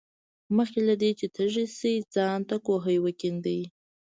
مخکې له دې چې تږي شې ځان ته کوهی وکیندئ.